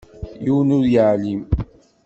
Yiwen ur iεellem.